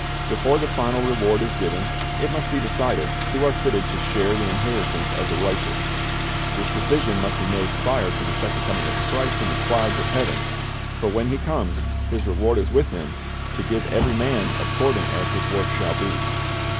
Before the final reward is given, it must be decided who are fitted to share the inheritance of the righteous. This decision must be made prior to the second coming of Christ in the clouds of heaven; for when He comes, His reward is with Him, "to give every man according as his work 'shall be."'